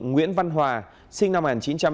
nguyễn văn hòa sinh năm một nghìn chín trăm sáu mươi một